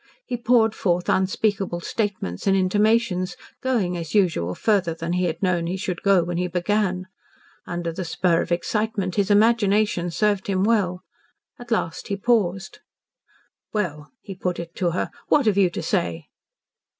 He poured forth unspeakable statements and intimations, going, as usual, further than he had known he should go when he began. Under the spur of excitement his imagination served him well. At last he paused. "Well," he put it to her, "what have you to say?"